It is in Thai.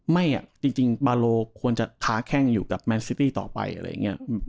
ไม่อ่ะจริงบาร์โลควรจะค้าแข้งอยู่กับแมนซิตี้ต่อไป